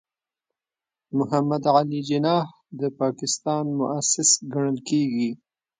محمد علي جناح د پاکستان مؤسس ګڼل کېږي.